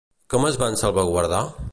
Com es van salvaguardar?